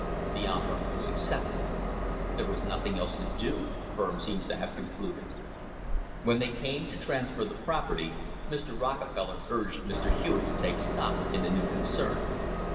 The offer was accepted. There was nothing else to do, the firm seems to have concluded. When they came to transfer the property Mr. Rockefeller urged Mr. Hewitt to take stock in the new con cern.